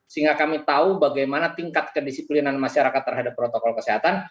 sehingga kami tahu bagaimana tingkat kedisiplinan masyarakat terhadap protokol kesehatan